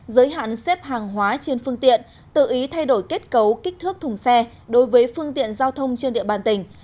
giới hạn xếp hàng hóa trên phương tiện tự ý thay đổi kết cấu kích thước thùng xe đối với phương tiện giao thông trên địa bàn tỉnh